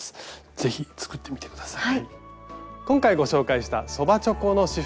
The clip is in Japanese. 是非作ってみて下さい。